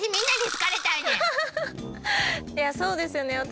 いやそうですよね